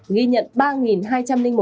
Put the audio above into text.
ghi nhận ba năm triệu liều